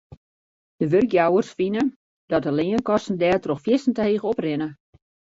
De wurkjouwers fine dat de leankosten dêrtroch fierstente heech oprinne.